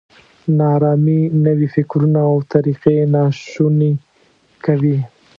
نا ارامي نوي فکرونه او طریقې ناشوني کوي.